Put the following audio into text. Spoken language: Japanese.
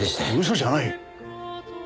嘘じゃない！